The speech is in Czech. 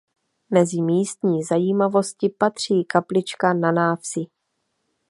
Mezi místní zajímavosti patří kaplička na návsi.